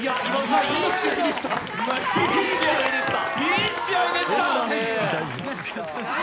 いい試合でした。